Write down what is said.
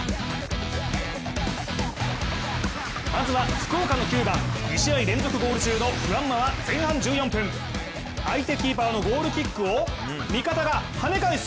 まずは福岡の９番、２試合連続ゴール中のフアンマは前半４１分、相手キーパーのゴールキックを味方が跳ね返す。